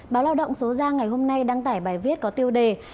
báo lao động số ra ngày hôm nay đăng tải bài viết có tiêu đề